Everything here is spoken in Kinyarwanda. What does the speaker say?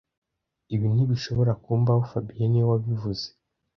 Ibi ntibishobora kumbaho fabien niwe wabivuze